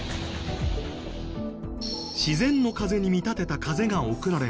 自然の風に見立てた風が送られます。